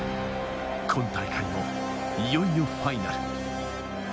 今大会もいよいよファイナル。